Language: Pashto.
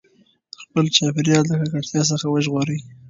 خپل چاپېریال د ککړتیا څخه وژغورئ.